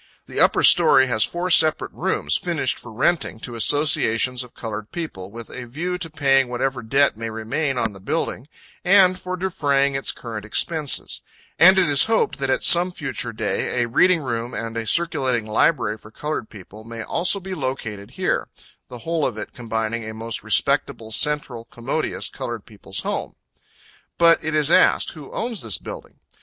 The upper story has four separate rooms, finished for renting to associations of colored people, with a view to paying whatever debt may remain on the building, and for defraying its current expenses; and it is hoped that, at some future day, a reading room and a circulating library for colored people may also be located here the whole of it combining a most respectable, central, commodious Colored People's Home. But it is asked, who owns this building?